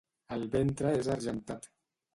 El ventre és argentat.